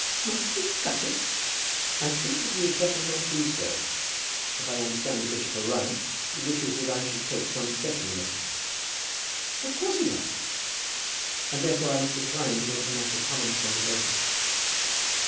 "Not discuss it?" "I think that we had better not do so. If I understand the bishop aright, he wishes that I should take some step in the matter." "Of course he does." "And therefore I must decline to make it a matter of common conversation."